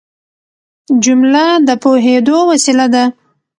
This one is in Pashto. جمله د پوهېدو وسیله ده.